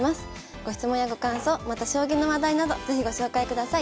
ご質問やご感想また将棋の話題など是非ご紹介ください。